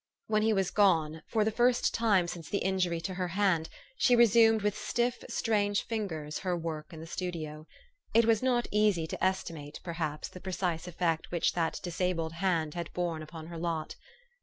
When he was gone, for the first tune since the injury to her hand, she resumed with stiff, strange fingers, her work in the studio. It was not easy to estimate, perhaps, the precise effect which that dis abled hand had borne upon her lot.